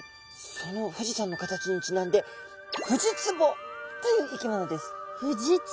その富士山の形にちなんでフジツボという生き物です。